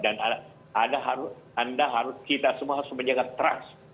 dan anda harus kita semua harus menjaga trust